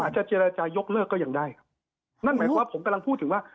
จะเจรจายกเลิกก็ยังได้ครับนั่นหมายความว่าผมกำลังพูดถึงว่า